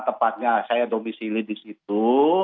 tepatnya saya domisili di situ